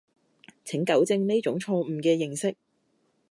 請糾正呢種錯誤嘅認識